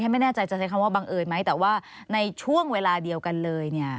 ไม่แน่ใจจะใช้คำว่าบังเอิญไหมแต่ว่าในช่วงเวลาเดียวกันเลย